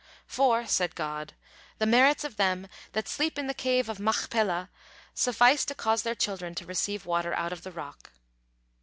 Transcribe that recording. "For," said God, "the merits of them that sleep in the Cave of Machpelah suffice to cause their children to receive water out of the rock."